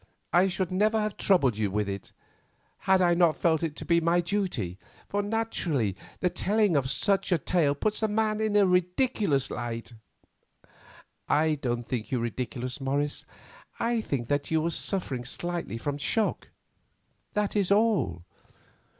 I should never have troubled you with it, had I not felt it to be my duty, for naturally the telling of such a tale puts a man in a ridiculous light." "I don't think you ridiculous, Morris; I think that you are suffering slightly from shock, that is all.